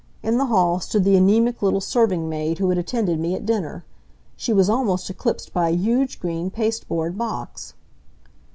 In the hall stood the anemic little serving maid who had attended me at dinner. She was almost eclipsed by a huge green pasteboard box.